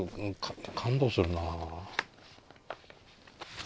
感動するな。